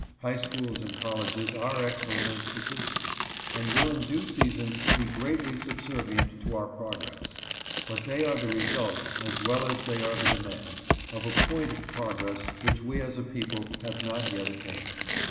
High schools and colleges are excellent institutions, and will in due season be greatly subservient to our progress ; but they are the result, as well as they are the demand, of a point of progress which we as a people have not yet attained.